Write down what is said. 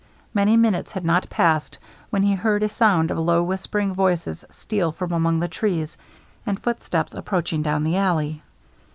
Many minutes had not passed, when he heard a sound of low whispering voices steal from among the trees, and footsteps approaching down the alley.